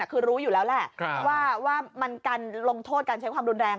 คือรู้อยู่แล้วแหละว่ามันการลงโทษการใช้ความรุนแรง